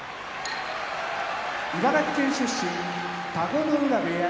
茨城県出身田子ノ浦部屋